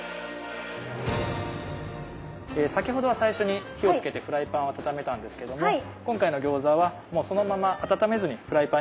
先ほどは最初に火をつけてフライパンを温めたんですけども今回の餃子はもうそのまま温めずにフライパンに餃子を並べます。